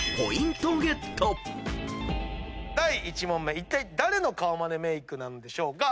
第１問目いったい誰の顔真似メイクなんでしょうか？